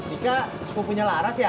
ika sepupunya laras ya